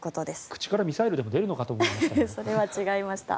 口からミサイルでも出るのかと思いました。